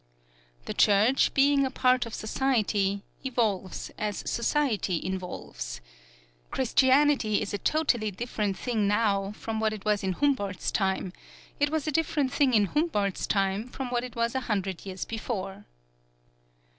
The Church, being a part of society, evolves as society evolves. Christianity is a totally different thing now from what it was in Humboldt's time; it was a different thing in Humboldt's time from what it was a hundred years before.